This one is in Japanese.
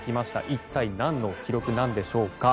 一体何の記録なんでしょうか。